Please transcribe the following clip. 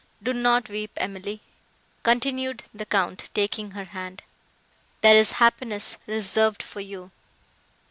Do not weep, Emily," continued the Count, taking her hand, "there is happiness reserved for you."